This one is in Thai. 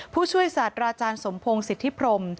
ผู้ช่วยศาสตราอาจารย์สมพงศ์สิทธิพรม